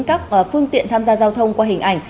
các phương tiện tham gia giao thông qua hình ảnh